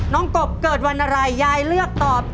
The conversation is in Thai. กบเกิดวันอะไรยายเลือกตอบ